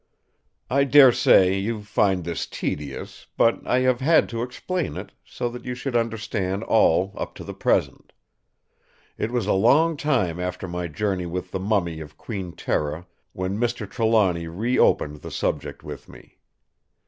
"I dare say you find this tedious; but I have had to explain it, so that you should understand all up to the present. It was a long time after my return with the mummy of Queen Tera when Mr. Trelawny re opened the subject with me.